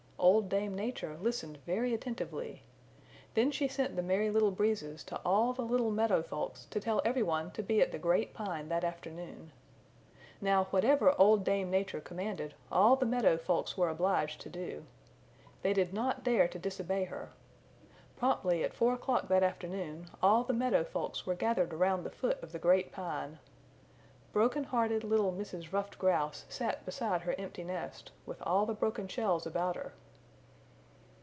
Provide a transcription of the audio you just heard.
Old Dame Nature listened very attentively. Then she sent the Merry Little Breezes to all the little meadow folks to tell every one to be at the Great Pine that afternoon. Now whatever Old Dame Nature commanded all the meadow folks were obliged to do. They did not dare to disobey her. Promptly at four o'clock that afternoon all the meadow folks were gathered around the foot of the Great Pine. Broken hearted little Mrs. Ruffed Grouse sat beside her empty nest, with all the broken shells about her.